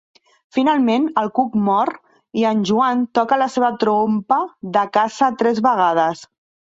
Finalment, el cuc mor i en Joan toca la seva trompa de caça tres vegades.